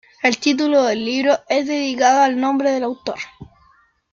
El título del libro es dedicado al nombre del autor.